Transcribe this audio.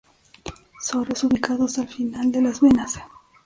Soros ubicados al final de las venas.